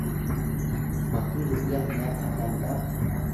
maki rgyax nya alang ta?